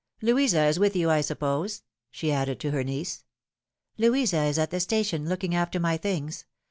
" Louisa is with you, I suppose ?" she added to her niece. " Louisa is at the station, looking after my things.